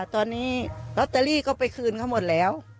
ตอนนี้ลอตเตอรี่ก็ไปคืนเขาหมดแล้ว